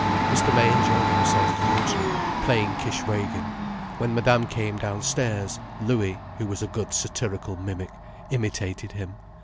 Mr. May enjoyed himself hugely playing Kishwégin. When Madame came downstairs Louis, who was a good satirical mimic, imitated him.